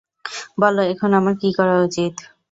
বল এখন আমার কী করা উচিত?